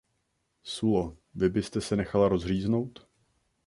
Sullo, vy byste se nechala rozříznout?